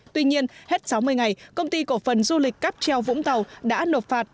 tuy nhiên hết sáu mươi ngày công ty cổ phần du lịch cáp treo vũng tàu đã nộp phạt